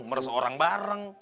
meres orang bareng